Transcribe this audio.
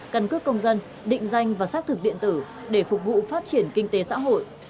căn cước công dân định danh và xác thực điện tử để phục vụ phát triển kinh tế xã hội